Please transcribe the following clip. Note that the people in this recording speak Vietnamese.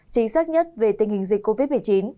chính xác nhất về tình hình dịch covid một mươi chín